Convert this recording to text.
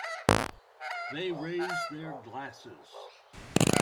They raise their glasses.